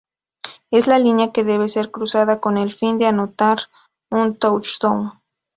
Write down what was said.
Es la línea que debe ser cruzada con el fin de anotar un touchdown.